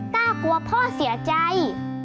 กล้ากลัวพ่อเสียใจ